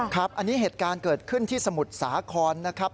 ครับอันนี้เหตุการณ์เกิดขึ้นที่สมุทรสาครนะครับ